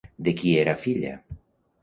De qui era filla?